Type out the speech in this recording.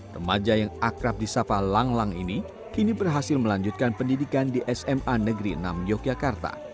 remaja yang akrab di sapa lang lang ini kini berhasil melanjutkan pendidikan di sma negeri enam yogyakarta